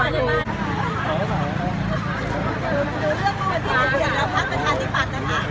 หรือเลือกเมื่อที่สุดยอดแล้วพักเป็นธาตุภัณฑ์นะครับ